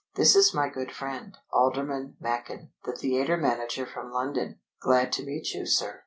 "This is my good friend, Alderman Machin, the theatre manager from London." "Glad to meet you, sir."